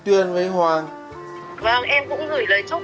thế anh có góp anh có làm gì giúp anh ý không